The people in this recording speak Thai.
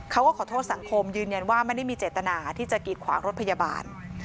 เขาก็ขอโทษสังคมยืนยันว่าไม่ได้มีเจตนาที่จะกีดขวางรถพยาบาล